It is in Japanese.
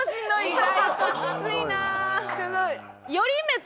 意外ときついな。